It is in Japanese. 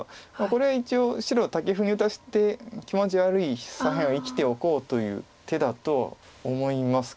これ一応白タケフに打たして気持ち悪い左辺を生きておこうという手だとは思います。